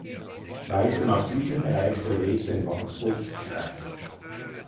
Weiter nach Süden erreicht der Weg den Wartburgkreis.